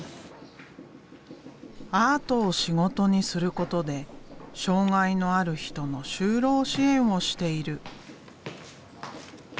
アートを仕事にすることで障害のある人の就労支援をしている。